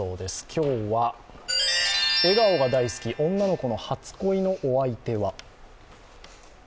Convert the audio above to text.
今日は笑顔が大好き女の子の初恋のお相手は？